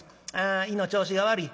胃の調子が悪い